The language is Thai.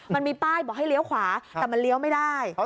มันมีป้ายบอกให้เลี้ยวขวาแต่มันเลี้ยวไม่ได้